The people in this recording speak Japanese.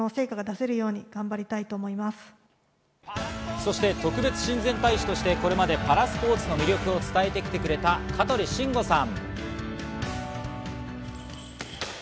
そして、特別親善大使としてこれまでパラスポーツの魅力を伝えてきてくれた香取慎吾さん。